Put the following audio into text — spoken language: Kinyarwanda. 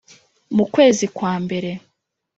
Mu kwezi kwa mbere